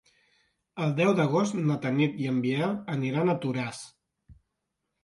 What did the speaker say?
El deu d'agost na Tanit i en Biel aniran a Toràs.